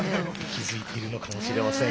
息づいているのかもしれません。